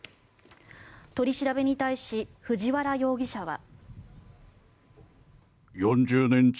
取り調べに対し藤原容疑者は。